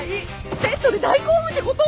ベッドで大興奮ってこと！